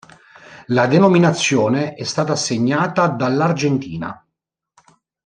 La denominazione è stata assegnata dall' Argentina.